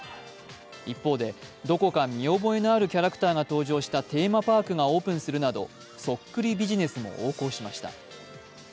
一方でどこか見覚えのあるキャラクターが登場したテーマパークがオープンするなどそっくりビジネスも横行しました。